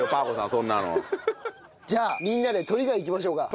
そんなの。じゃあみんなでトリガイいきましょうか。